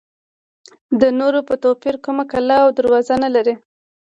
د نورو په توپیر کومه کلا او دروازه نه لري.